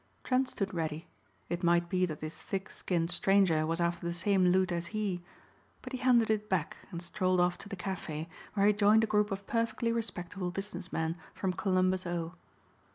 Trent stood ready. It might be that this thick skinned stranger was after the same loot as he. But he handed it back and strolled off to the café where he joined a group of perfectly respectable business men from Columbus, O.